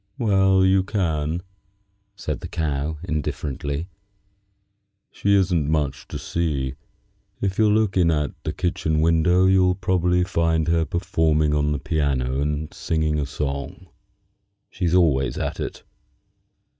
"Well, you can," said the Cow, indifferently. "She isn't much to see. If you'll look in at the kitchen window you'll probably find her performing on the piano and singing a song. She's always at it."